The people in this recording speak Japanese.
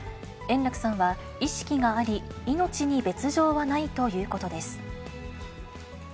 円楽さんは意識があり、命に別状はないということです。